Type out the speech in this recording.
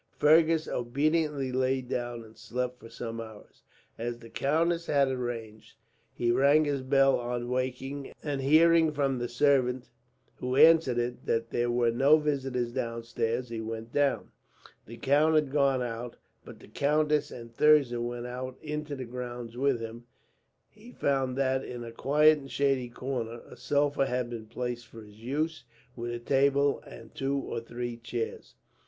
Fergus obediently lay down and slept for some hours. As the countess had arranged, he rang his bell on waking and, hearing from the servant who answered it that there were no visitors downstairs, he went down. The count had gone out, but the countess and Thirza went out into the grounds with him; and he found that, in a quiet and shady corner, a sofa had been placed for his use, with a table and two or three chairs.